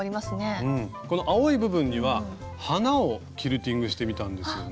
この青い部分には花をキルティングしてみたんですよね。